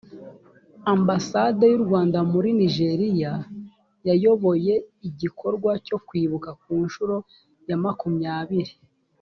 ambasade y’u rwanda muri nigeria yayoboye igikorwa cyo kwibuka ku nshuro ya makumyabiri